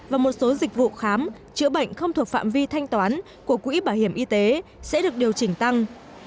và một số dịch vụ khám chữa bệnh không thuộc phạm vi thanh toán của quỹ bảo hiểm y tế sẽ được điều chỉnh tăng